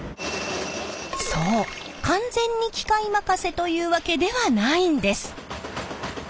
そう完全に機械任せというわけではないんです！